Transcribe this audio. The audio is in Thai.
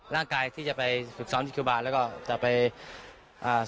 ร่างกายที่จะไปฝึกซ้อมที่ครูบาแล้วก็จะไปอ่า